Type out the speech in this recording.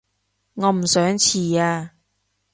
我唔想遲啊